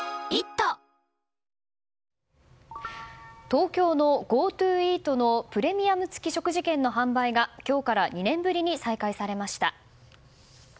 東京のＧｏＴｏイートのプレミアム付食事券の販売が今日から２年ぶりに再開されました。